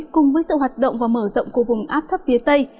cùng với sự hoạt động và mở rộng của vùng áp thấp phía tây